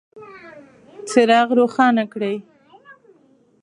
څراغ روښانه کړئ